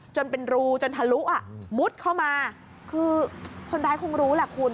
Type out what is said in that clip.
จนเป็นรูจนทะลุอ่ะมุดเข้ามาคือคนร้ายคงรู้แหละคุณ